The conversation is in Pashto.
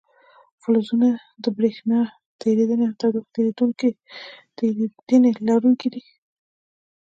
فلزونه د برېښنا تیریدنې او تودوخې تیریدنې لرونکي دي.